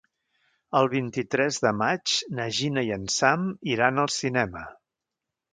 El vint-i-tres de maig na Gina i en Sam iran al cinema.